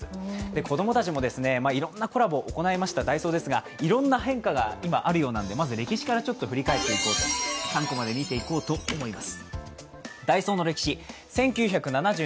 子供たちもいろんなコラボを行いましたダイソーですがいろんな変化が今あるようなので、歴史から振り返っていこうと思います。